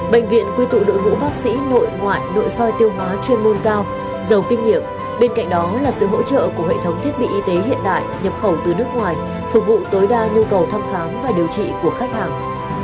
bệnh viện quy tụ đội ngũ bác sĩ nội ngoại nội soi tiêu hóa chuyên môn cao giàu kinh nghiệm bên cạnh đó là sự hỗ trợ của hệ thống thiết bị y tế hiện đại nhập khẩu từ nước ngoài phục vụ tối đa nhu cầu thăm khám và điều trị của khách hàng